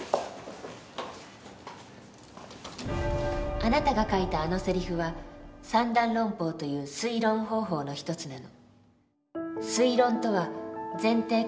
あなたが書いたあのせりふは三段論法という推論方法の一つなの。